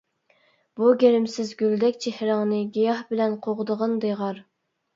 بۇ گىرىمسىز گۈلدەك چېھرىڭنى، گىياھ بىلەن قوغدىغىن دىغار.